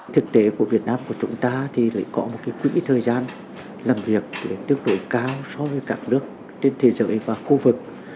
thực tế của việt nam của chúng ta thì lại có một quỹ thời gian làm việc tương đối cao so với các nước trên thế giới và khu vực